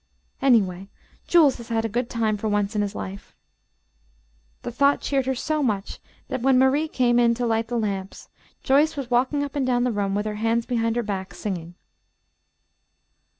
"Anyway, Jules has had a good time for once in his life." The thought cheered her so much that, when Marie came in to light the lamps, Joyce was walking up and down the room with her hands behind her back, singing.